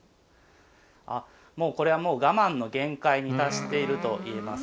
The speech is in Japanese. これはもう我慢の限界に達していると言えます。